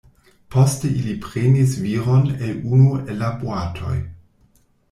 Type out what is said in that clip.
Poste ili prenis viron el unu el la boatoj.